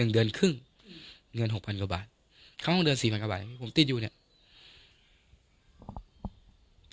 เดือนครึ่งเงิน๖๐๐กว่าบาทเข้าห้องเดือน๔๐๐กว่าบาทผมติดอยู่เนี่ย